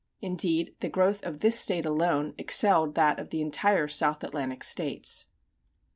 Indeed, the growth of this State alone excelled that of the entire South Atlantic States.